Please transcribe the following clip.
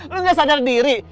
lu nggak sadar diri